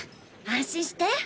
安心して！